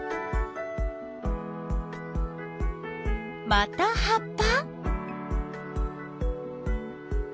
また葉っぱ？